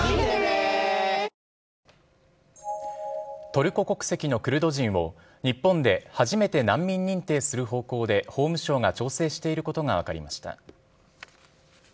トルコ国籍のクルド人を、日本で初めて難民認定する方向で、法務省が調整していることが分かりました。